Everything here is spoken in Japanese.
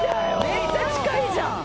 めっちゃ近いじゃん。